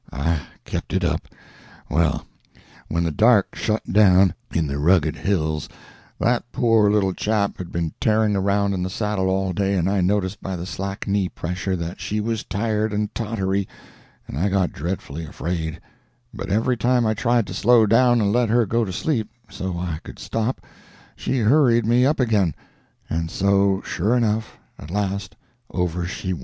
I kept it up. Well, when the dark shut down, in the rugged hills, that poor little chap had been tearing around in the saddle all day, and I noticed by the slack knee pressure that she was tired and tottery, and I got dreadfully afraid; but every time I tried to slow down and let her go to sleep, so I could stop, she hurried me up again; and so, sure enough, at last over she went!